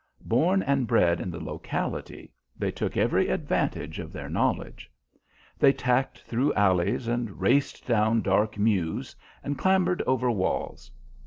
Born and bred in the locality, they took every advantage of their knowledge. They tacked through alleys and raced down dark mews, and clambered over walls.